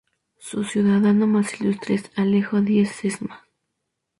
Su ciudadano más ilustre es Alejo Díez Sesma.